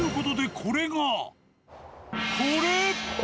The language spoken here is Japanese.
これ。